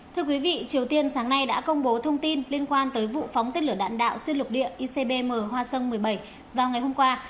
thưa quý vị triều tiên sáng nay đã công bố thông tin liên quan tới vụ phóng tên lửa đạn đạo xuyên lục địa icbm hoa sơn một mươi bảy vào ngày hôm qua